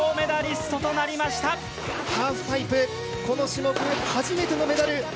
この種目、初めてのメダル。